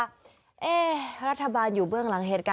และความสุขของคุณค่ะ